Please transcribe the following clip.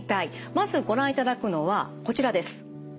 まずご覧いただくのはこちらです。